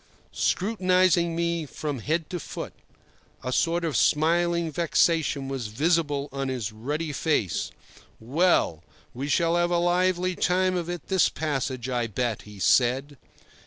scrutinizing me from head to foot. A sort of smiling vexation was visible on his ruddy face. "Well, we shall have a lively time of it this passage, I bet," he said.